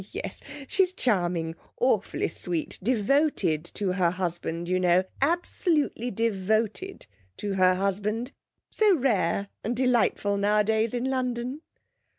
'Oh yes, she's charming, awfully sweet devoted to her husband, you know absolutely devoted to her husband; so rare and delightful nowadays in London.'